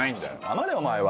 黙れお前は。